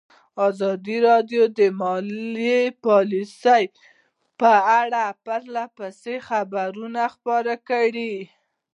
ازادي راډیو د مالي پالیسي په اړه پرله پسې خبرونه خپاره کړي.